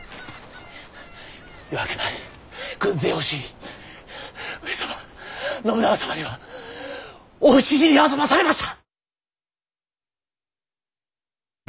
夜明け前軍勢押し入り上様信長様にはお討ち死にあそばされました！